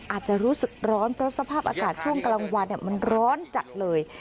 อาจจะรู้สึกร้อนเพราะสภาพอากาศช่วงกลางวันมันร้อนจัดเลย